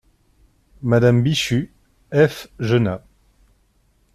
Madame Bichu : F. Genat.